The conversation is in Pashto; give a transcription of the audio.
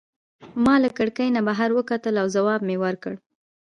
ما له کړکۍ نه بهر وکتل او ځواب مي ورکړ.